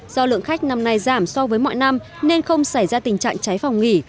do lượng khách năm nay giảm so với mọi năm nên không xảy ra tình trạng cháy phòng nghỉ